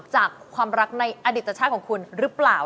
จากความรักในอดิตชาติของคุณหรือเปล่า